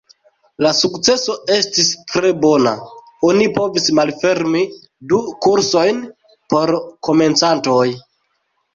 La sukceso estis tre bona; oni povis malfermi du kursojn por komencantoj.